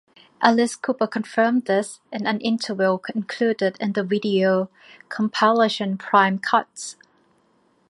Alice Cooper confirmed this in an interview included in the video compilation Prime Cuts.